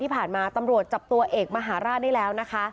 ที่ผ่านมาตำรวจจับตัวเอกมหาราชได้แล้ว